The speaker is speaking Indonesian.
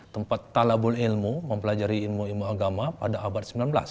tempat talabul ilmu mempelajari ilmu ilmu agama pada abad sembilan belas